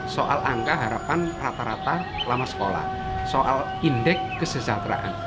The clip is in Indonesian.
soal angka harapan rata rata lama sekolah soal indeks kesejahteraan